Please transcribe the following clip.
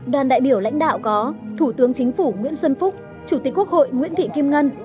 đoàn đại biểu lãnh đạo có thủ tướng chính phủ nguyễn xuân phúc chủ tịch quốc hội nguyễn thị kim ngân